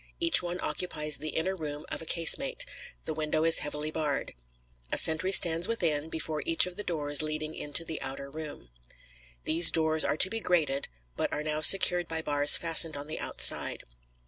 Each one occupies the inner room of a casemate; the window is heavily barred. A sentry stands within, before each of the doors leading into the outer room. These doors are to be grated, but are now secured by bars fastened on the outside.